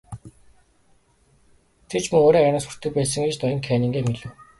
Тэр ч мөн өөрийн аяганаас хүртдэг байсан юм гэж ноён Каннингем хэлэв.